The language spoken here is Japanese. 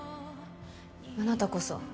あなたこそ。